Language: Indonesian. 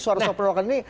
suara suara penolakan ini